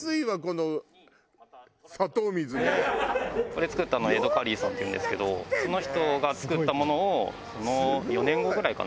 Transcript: これ作ったのエド・カリーさんっていうんですけどその人が作ったものをその４年後ぐらいかな？